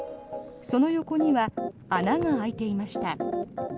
その横には穴が開いていました。